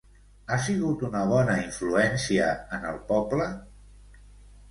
Ha sigut una bona influència en el poble?